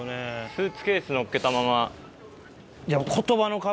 スーツケース載っけたまま。